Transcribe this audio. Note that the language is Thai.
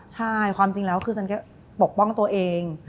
ใช่ความจริงแล้วคือฉันก็ปกป้องตัวเอง